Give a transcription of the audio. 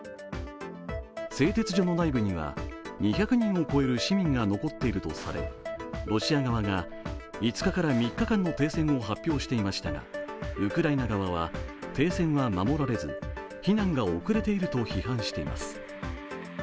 製鉄所の内部には２００人を超える市民が残っているとされロシア側が５日から３日間の停戦を発表していましたがウクライナ側は停戦は守られず避難が遅れていると批判しています。